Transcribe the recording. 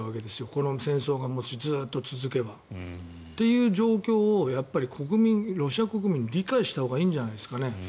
この戦争が、もしずっと続けば。という状況をロシア国民は理解したほうがいいんじゃないですかね。